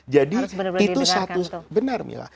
jadi itu satu benar mila